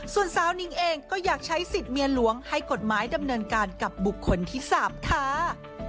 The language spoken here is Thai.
ส่วนสาวนิงเองก็อยากใช้สิทธิ์เมียหลวงให้กฎหมายดำเนินการกับบุคคลที่๓ค่ะ